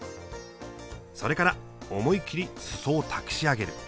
それから思いきり裾をたくし上げる。